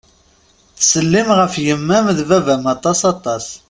Ttsellim ɣef yemma-m d baba-m aṭas aṭas.